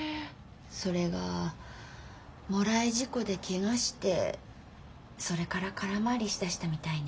それがもらい事故でケガしてそれから空回りしだしたみたいね。